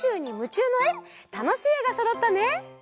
たのしいえがそろったね！